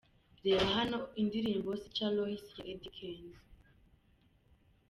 Reba hano indirimbo “Sitya Loss” ya Eddy Kenzo .